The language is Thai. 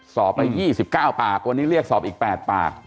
สอบไป๒๙ปากวันนี้เรียกสอบอีก๘ปาก